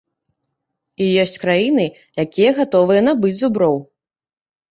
І ёсць краіны, якія гатовыя набыць зуброў.